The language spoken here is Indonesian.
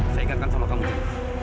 saya ingatkan soal kamu jaya